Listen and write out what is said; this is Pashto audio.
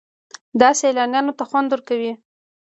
دا سیلانیانو ته خوند ورکوي.